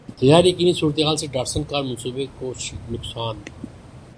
غیریقینی صورتحال سے Datsun car منصوبے کو نقصان